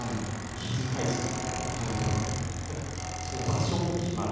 気遣い過ぎて。